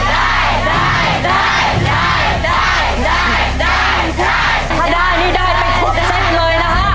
ถ้าได้นี่ได้ไปคุกเส้นไปเลยนะคะ